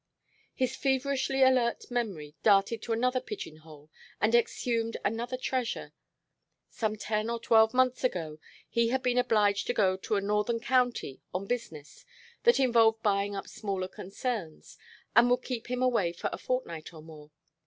His feverishly alert memory darted to another pigeon hole and exhumed another treasure. Some ten or twelve months ago he had been obliged to go to a northern county on business that involved buying up smaller concerns, and would keep him away for a fortnight or more.